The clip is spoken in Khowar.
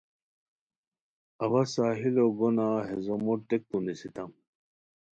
اوا ساحلو گونہ ہے زومو ٹیکتو نسیتام